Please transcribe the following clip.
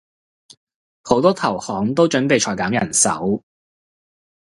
好多投行都準備裁減人手